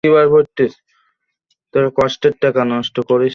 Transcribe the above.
তোর কষ্টের টাকা, নষ্ট করিস না।